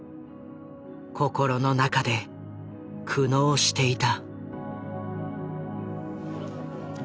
心の中で苦悩していた。